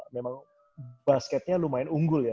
memang basketnya lumayan unggul ya